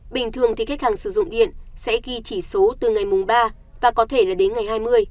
bình thường thì khách hàng sử dụng điện sẽ ghi chỉ số từ ngày mùng ba và có thể là đến ngày hai mươi